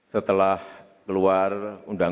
setelah keluar undang undang